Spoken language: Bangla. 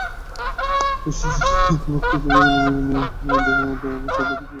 অথচ সেই একই বক্তৃতা যখন মেলানিয়া দেয়, সবাই রীতিমতো তেড়ে আসে।